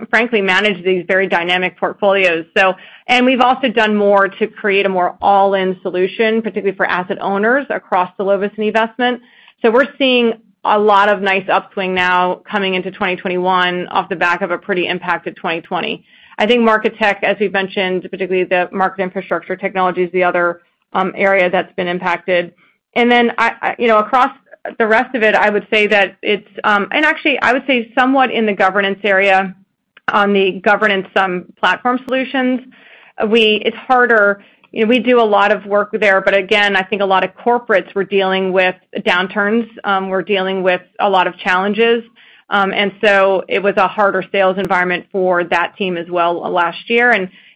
frankly manage these very dynamic portfolios. We've also done more to create a more all-in solution, particularly for asset owners across Solovis and eVestment. We're seeing a lot of nice upswing now coming into 2021 off the back of a pretty impacted 2020. I think Market Tech, as we've mentioned, particularly the Marketplace Infrastructure Technology, is the other area that's been impacted. Across the rest of it, I would say that it's and actually, I would say somewhat in the governance area, on the governance platform solutions, it's harder. We do a lot of work there. Again, I think a lot of corporates were dealing with downturns, were dealing with a lot of challenges. It was a harder sales environment for that team as well last year.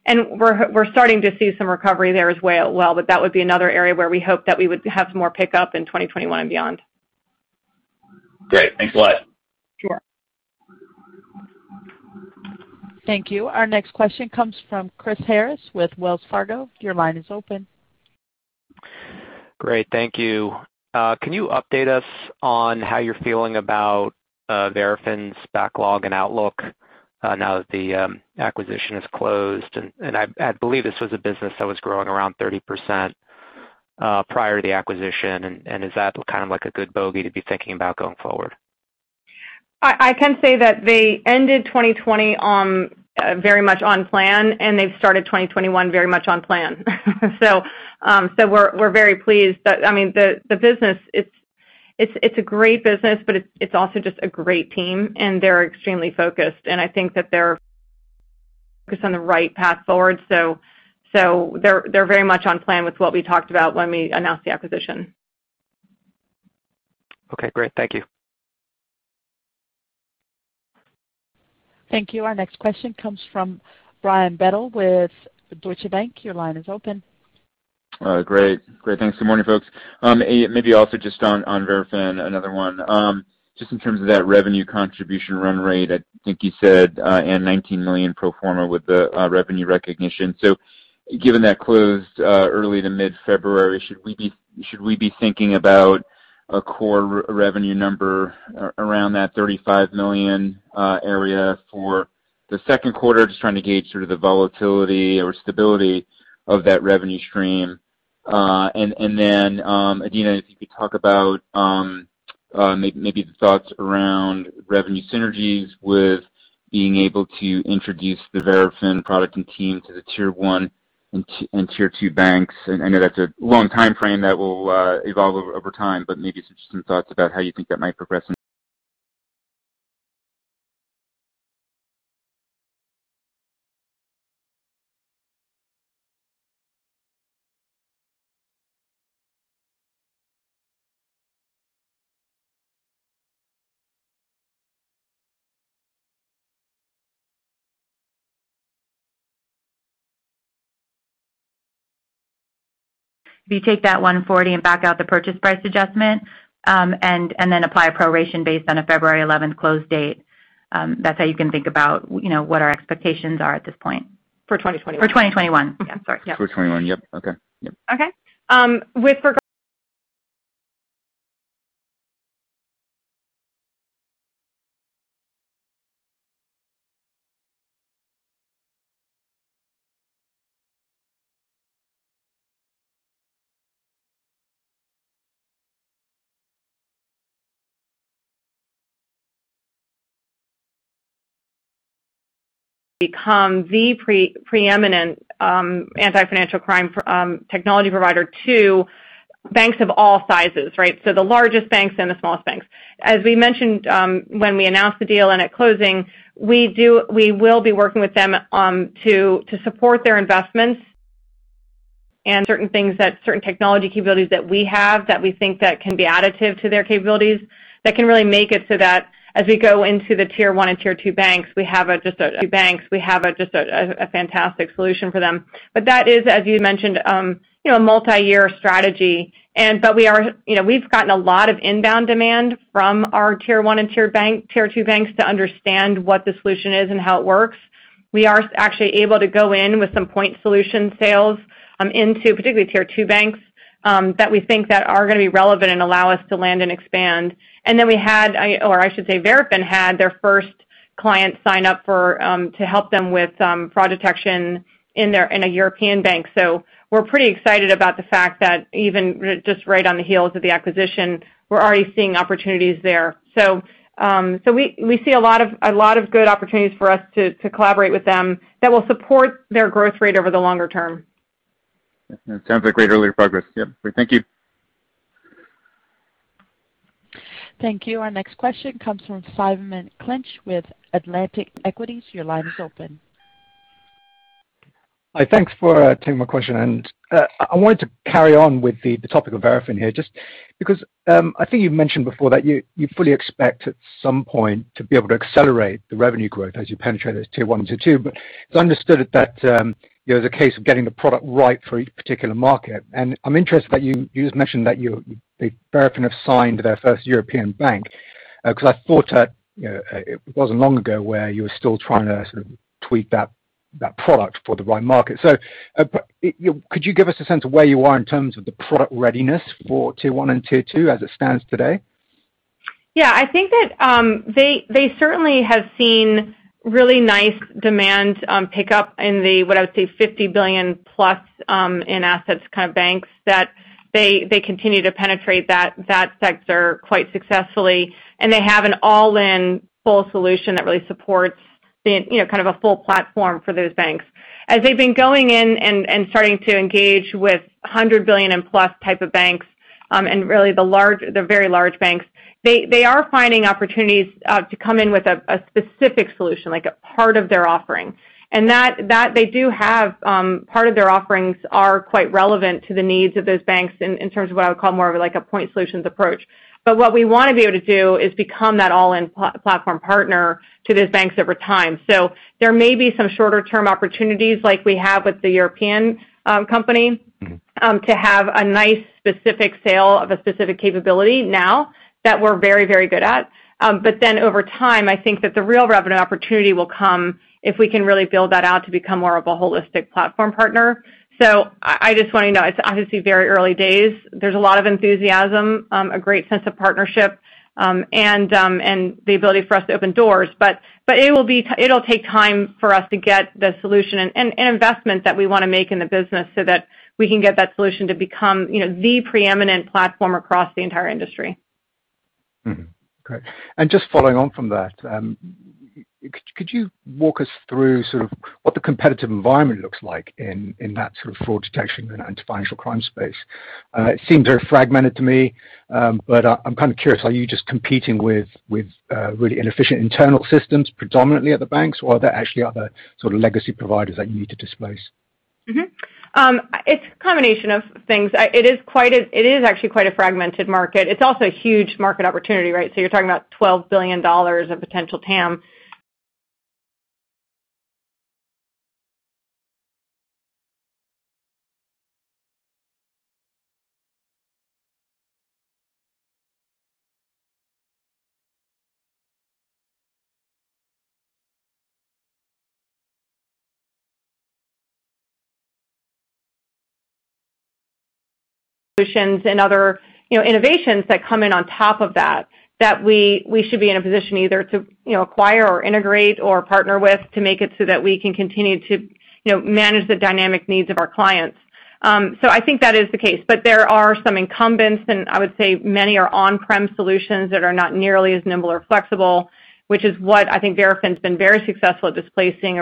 We're starting to see some recovery there as well. That would be another area where we hope that we would have some more pickup in 2021 and beyond. Great. Thanks a lot. Sure. Thank you. Our next question comes from Chris Harris with Wells Fargo. Your line is open. Great. Thank you. Can you update us on how you're feeling about Verafin's backlog and outlook now that the acquisition is closed? I believe this was a business that was growing around 30% prior to the acquisition, and is that kind of like a good bogey to be thinking about going forward? I can say that they ended 2020 very much on plan, and they've started 2021 very much on plan. We're very pleased. The business, it's a great business, but it's also just a great team, and they're extremely focused, and I think that they're focused on the right path forward. They're very much on plan with what we talked about when we announced the acquisition. Okay, great. Thank you. Thank you. Our next question comes from Brian Bedell with Deutsche Bank. Your line is open. Great. Thanks. Good morning, folks. Also just on Verafin, another one. Just in terms of that revenue contribution run rate, I think you said, $19 million pro forma with the revenue recognition. Given that closed early to mid-February, should we be thinking about a core revenue number around that $35 million area for the second quarter? Just trying to gauge sort of the volatility or stability of that revenue stream. Adena, if you could talk about maybe the thoughts around revenue synergies with being able to introduce the Verafin product and team to the Tier 1 and Tier 2 banks. I know that's a long timeframe that will evolve over time, maybe some thoughts about how you think that might progress. If you take that 140 and back out the purchase price adjustment, and then apply a proration based on a February 11th close date, that's how you can think about what our expectations are at this point. For 2021? For 2021. Yeah. Okay. Sorry. Yep. For 2021, yep. Okay. Yep. Okay. Become the preeminent Anti-Financial Crime Technology provider to banks of all sizes, right? The largest banks and the smallest banks. As we mentioned when we announced the deal and at closing, we will be working with them to support their investments and certain things that certain technology capabilities that we have that we think that can be additive to their capabilities that can really make it so that as we go into the Tier 1 and Tier 2 banks, we have just a fantastic solution for them. That is, as you mentioned, a multi-year strategy. We've gotten a lot of inbound demand from our Tier 1 and Tier 2 banks to understand what the solution is and how it works. We are actually able to go in with some point solution sales into particularly Tier 2 banks that we think that are going to be relevant and allow us to land and expand. We had, or I should say, Verafin had their first client sign up to help them with fraud detection in a European bank. We're pretty excited about the fact that even just right on the heels of the acquisition, we're already seeing opportunities there. We see a lot of good opportunities for us to collaborate with them that will support their growth rate over the longer-term. It sounds like great early progress. Yep. Great. Thank you. Thank you. Our next question comes from Simon Clinch with Atlantic Equities. Your line is open. Hi, thanks for taking my question. I wanted to carry on with the topic of Verafin here just because I think you mentioned before that you fully expect at some point to be able to accelerate the revenue growth as you penetrate those Tier 1 and Tier 2. It's understood that there's a case of getting the product right for each particular market, and I'm interested that you just mentioned that Verafin have signed their first European bank because I thought it wasn't long ago where you were still trying to sort of tweak that product for the right market. Could you give us a sense of where you are in terms of the product readiness for Tier 1 and Tier 2 as it stands today? Yeah, I think that they certainly have seen really nice demand pick up in the, what I would say, $50 billion+ in assets kind of banks that they continue to penetrate that sector quite successfully, and they have an all-in full solution that really supports kind of a full platform for those banks. As they've been going in and starting to engage with $100 billion and plus type of banks, and really the very large banks, they are finding opportunities to come in with a specific solution, like a part of their offering. That they do have part of their offerings are quite relevant to the needs of those banks in terms of what I would call more of a point solutions approach. What we want to be able to do is become that all-in platform partner to those banks over time. There may be some shorter-term opportunities like we have with the European company. to have a nice specific sale of a specific capability now that we're very good at. Over time, I think that the real revenue opportunity will come if we can really build that out to become more of a holistic platform partner. I just want you to know, it's obviously very early days. There's a lot of enthusiasm, a great sense of partnership, and the ability for us to open doors. It'll take time for us to get the solution and investment that we want to make in the business so that we can get that solution to become the preeminent platform across the entire industry. Mm-hmm. Great. Just following on from that, could you walk us through sort of what the competitive environment looks like in that sort of fraud detection and Anti-Financial Crime space? It seems very fragmented to me, but I'm kind of curious, are you just competing with really inefficient internal systems predominantly at the banks, or are there actually other sort of legacy providers that you need to displace? It's a combination of things. It is actually quite a fragmented market. It's also a huge market opportunity, right? You're talking about $12 billion of potential TAM. Solutions and other innovations that come in on top of that we should be in a position either to acquire or integrate or partner with to make it so that we can continue to manage the dynamic needs of our clients. I think that is the case, but there are some incumbents, and I would say many are on-prem solutions that are not nearly as nimble or flexible, which is what I think Verafin's been very successful at displacing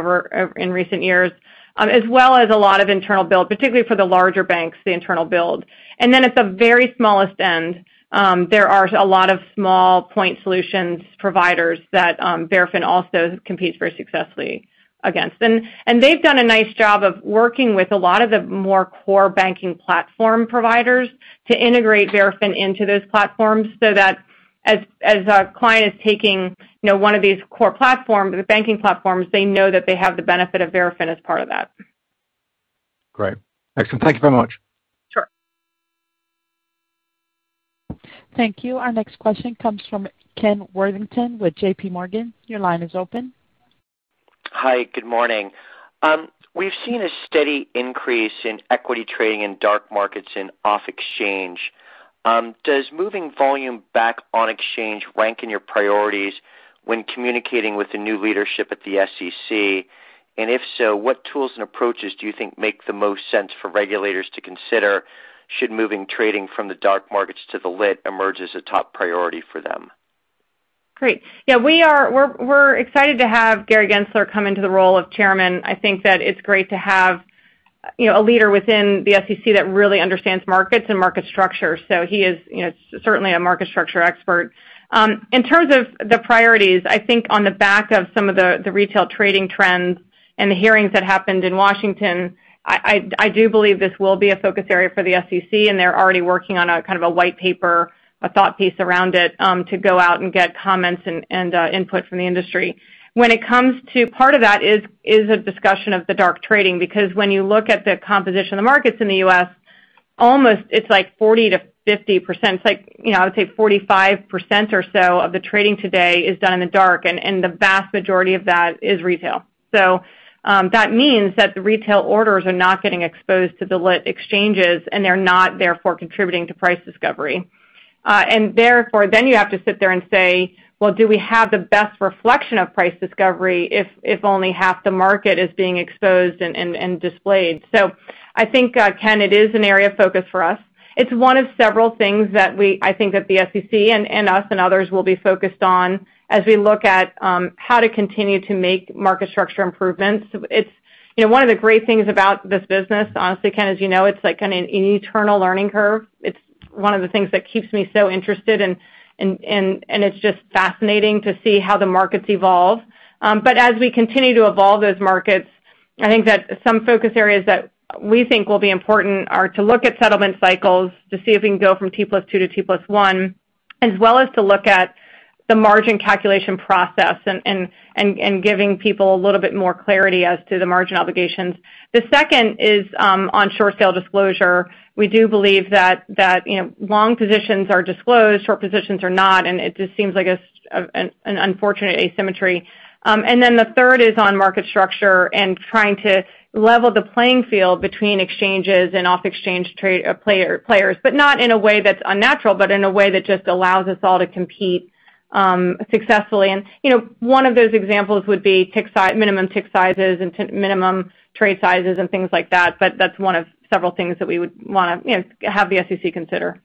in recent years. As well as a lot of internal build, particularly for the larger banks, the internal build. Then at the very smallest end, there are a lot of small point solutions providers that Verafin also competes very successfully against. They've done a nice job of working with a lot of the more core banking platform providers to integrate Verafin into those platforms so that as a client is taking one of these core platforms, the banking platforms, they know that they have the benefit of Verafin as part of that. Great. Excellent. Thank you very much. Sure. Thank you. Our next question comes from Ken Worthington with JPMorgan. Your line is open. Hi. Good morning. We've seen a steady increase in equity trading in dark markets in off exchange. Does moving volume back on exchange rank in your priorities when communicating with the new leadership at the SEC? If so, what tools and approaches do you think make the most sense for regulators to consider should moving trading from the dark markets to the lit emerge as a top priority for them? Great. We're excited to have Gary Gensler come into the role of Chairman. I think that it's great to have a leader within the SEC that really understands markets and market structure. He is certainly a market structure expert. In terms of the priorities, I think on the back of some of the retail trading trends and the hearings that happened in Washington, I do believe this will be a focus area for the SEC, and they're already working on a kind of a white paper, a thought piece around it, to go out and get comments and input from the industry. Part of that is a discussion of the dark trading because when you look at the composition of the markets in the U.S., almost it's like 40%-50%. It's like, I would say 45% or so of the trading today is done in the dark, and the vast majority of that is retail. That means that the retail orders are not getting exposed to the lit exchanges, and they're not therefore contributing to price discovery. Therefore, well, do we have the best reflection of price discovery if only half the market is being exposed and displayed? I think, Ken, it is an area of focus for us. It's one of several things that I think that the SEC and us and others will be focused on as we look at how to continue to make market structure improvements. One of the great things about this business, honestly, Ken, as you know, it's like an eternal learning curve. It's one of the things that keeps me so interested and it's just fascinating to see how the markets evolve. As we continue to evolve those markets, I think that some focus areas that we think will be important are to look at settlement cycles to see if we can go from T+2 to T+1, as well as to look at the margin calculation process and giving people a little bit more clarity as to the margin obligations. The second is on short sale disclosure. We do believe that long positions are disclosed, short positions are not, and it just seems like an unfortunate asymmetry. The third is on market structure and trying to level the playing field between exchanges and off-exchange players, but not in a way that's unnatural, but in a way that just allows us all to compete successfully. One of those examples would be minimum tick sizes and minimum trade sizes and things like that. That's one of several things that we would want to have the SEC consider.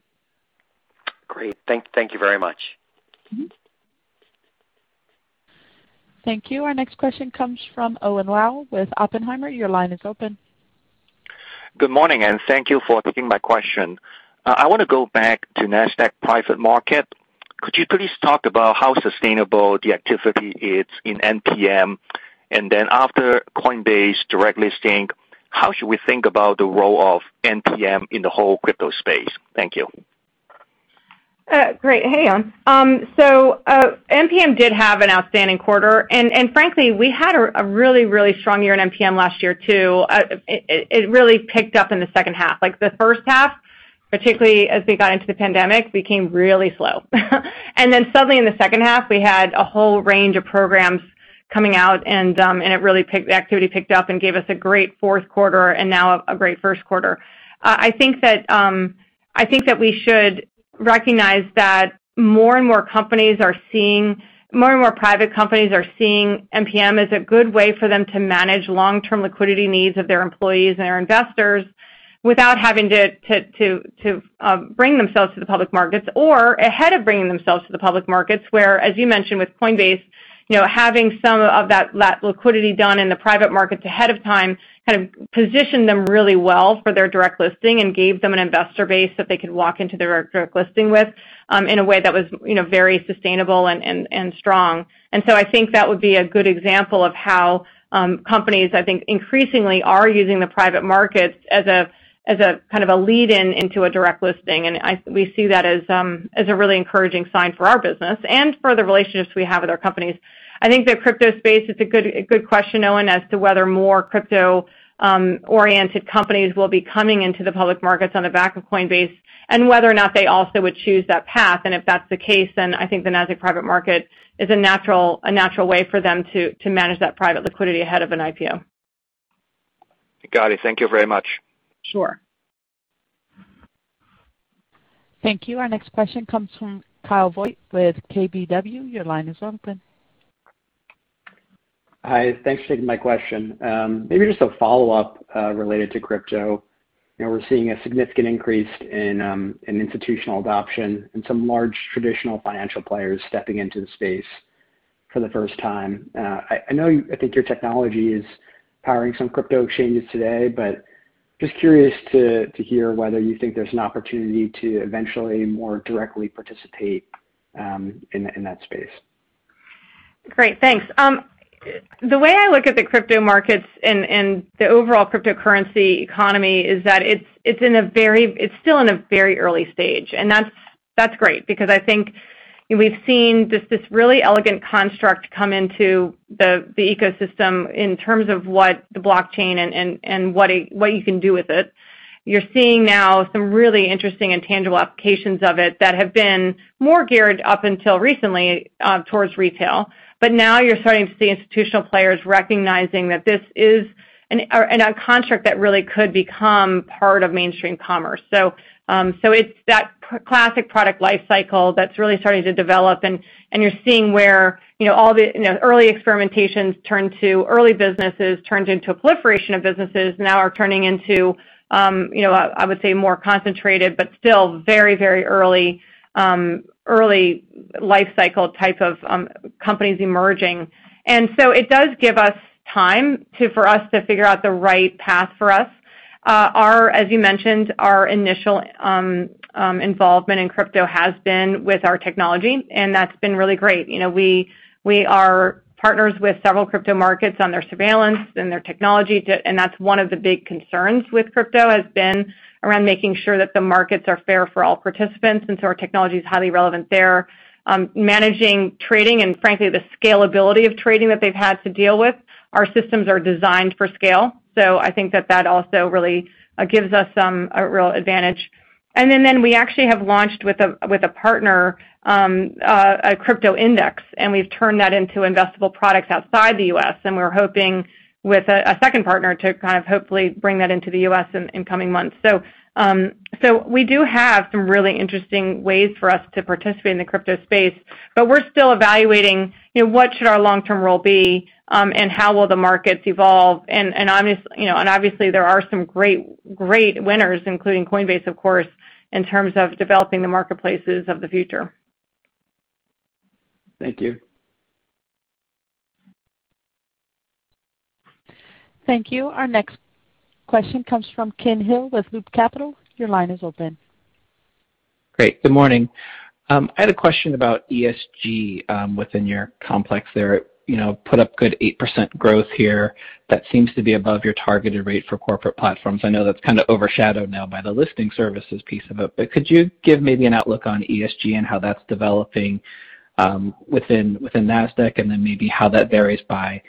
Great. Thank you very much. Thank you. Our next question comes from Owen Lau with Oppenheimer. Your line is open. Good morning. Thank you for taking my question. I want to go back to Nasdaq Private Market. Could you please talk about how sustainable the activity is in NPM? After Coinbase direct listing, how should we think about the role of NPM in the whole crypto space? Thank you. Great. Hey, Owen. NPM did have an outstanding quarter, and frankly, we had a really strong year in NPM last year, too. It really picked up in the second half. Like the first half, particularly as we got into the pandemic, became really slow. Suddenly in the second half, we had a whole range of programs coming out and the activity picked up and gave us a great fourth quarter and now a great first quarter. I think that we should recognize that more and more private companies are seeing NPM as a good way for them to manage long-term liquidity needs of their employees and their investors without having to bring themselves to the public markets or ahead of bringing themselves to the public markets, where, as you mentioned with Coinbase, having some of that liquidity done in the private markets ahead of time kind of positioned them really well for their direct listing and gave them an investor base that they could walk into their direct listing with in a way that was very sustainable and strong. I think that would be a good example of how companies, I think, increasingly are using the private markets as a kind of a lead-in into a direct listing. We see that as a really encouraging sign for our business and for the relationships we have with our companies. I think the crypto space is a good question, Owen, as to whether more crypto-oriented companies will be coming into the public markets on the back of Coinbase and whether or not they also would choose that path. If that's the case, then I think the Nasdaq Private Market is a natural way for them to manage that private liquidity ahead of an IPO. Got it. Thank you very much. Sure. Thank you. Our next question comes from Kyle Voigt with KBW. Your line is open. Hi, thanks for taking my question. Maybe just a follow-up related to crypto. We're seeing a significant increase in institutional adoption and some large traditional financial players stepping into the space for the first time. I think your technology is powering some crypto exchanges today, but just curious to hear whether you think there's an opportunity to eventually more directly participate in that space. Great. Thanks. The way I look at the crypto markets and the overall cryptocurrency economy is that it's still in a very early stage, and that's great because I think we've seen this really elegant construct come into the ecosystem in terms of what the blockchain and what you can do with it. You're seeing now some really interesting and tangible applications of it that have been more geared, up until recently, towards retail. Now you're starting to see institutional players recognizing that this is a construct that really could become part of mainstream commerce. It's that classic product life cycle that's really starting to develop, and you're seeing where all the early experimentations turned to early businesses, turned into a proliferation of businesses, now are turning into, I would say, more concentrated but still very early life cycle type of companies emerging. It does give us time for us to figure out the right path for us. As you mentioned, our initial involvement in crypto has been with our technology, and that's been really great. We are partners with several crypto markets on their surveillance and their technology, and that's one of the big concerns with crypto has been around making sure that the markets are fair for all participants, and so our technology is highly relevant there. Managing trading and frankly, the scalability of trading that they've had to deal with, our systems are designed for scale. I think that that also really gives us a real advantage. We actually have launched with a partner, a crypto index, and we've turned that into investable products outside the U.S., and we're hoping with a second partner to kind of hopefully bring that into the U.S. in coming months. We do have some really interesting ways for us to participate in the crypto space, but we're still evaluating what should our long-term role be and how will the markets evolve. Obviously, there are some great winners, including Coinbase, of course, in terms of developing the marketplaces of the future. Thank you. Thank you. Our next question comes from Ken Hill with Loop Capital. Great. Good morning. I had a question about ESG within your complex there. Put up good 8% growth here that seems to be above your targeted rate for corporate platforms. I know that's kind of overshadowed now by the listing services piece of it, could you give maybe an outlook on ESG and how that's developing within Nasdaq and then maybe how that varies by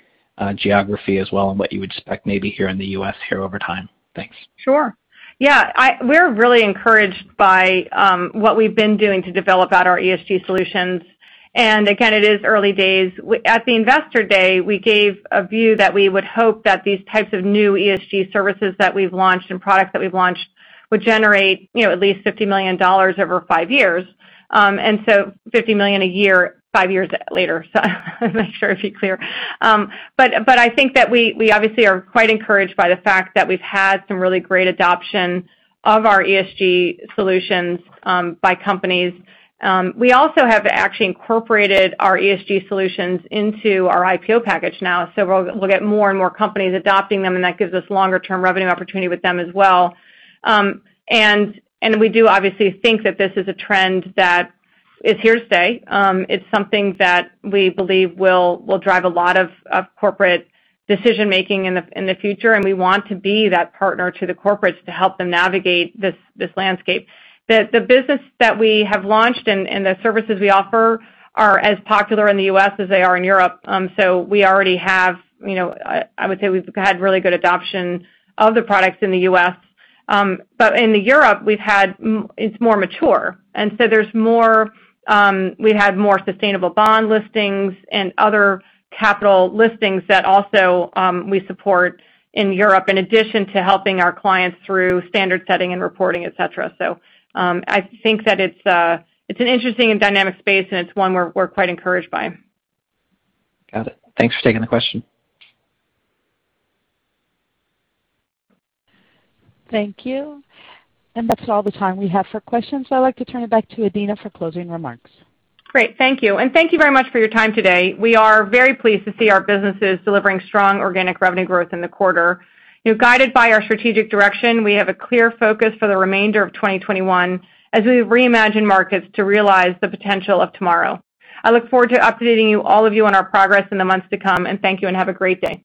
geography as well and what you would expect maybe here in the U.S. here over time? Thanks. Sure. Yeah. We're really encouraged by what we've been doing to develop out our ESG solutions. Again, it is early days. At the Investor Day, we gave a view that we would hope that these types of new ESG services that we've launched and products that we've launched would generate at least $50 million over five years. $50 million a year, five years later. Make sure to be clear. I think that we obviously are quite encouraged by the fact that we've had some really great adoption of our ESG solutions by companies. We also have actually incorporated our ESG solutions into our IPO package now, we'll get more and more companies adopting them, that gives us longer-term revenue opportunity with them as well. We do obviously think that this is a trend that is here to stay. It's something that we believe will drive a lot of corporate decision-making in the future, and we want to be that partner to the corporates to help them navigate this landscape. The business that we have launched and the services we offer are as popular in the U.S. as they are in Europe, so we already have, I would say, we've had really good adoption of the products in the U.S. In the Europe, it's more mature. We've had more sustainable bond listings and other capital listings that also we support in Europe, in addition to helping our clients through standard setting and reporting, et cetera. I think that it's an interesting and dynamic space, and it's one we're quite encouraged by. Got it. Thanks for taking the question. Thank you. That's all the time we have for questions, so I'd like to turn it back to Adena for closing remarks. Great. Thank you. Thank you very much for your time today. We are very pleased to see our businesses delivering strong organic revenue growth in the quarter. Guided by our strategic direction, we have a clear focus for the remainder of 2021 as we reimagine markets to realize the potential of tomorrow. I look forward to updating all of you on our progress in the months to come. Thank you and have a great day.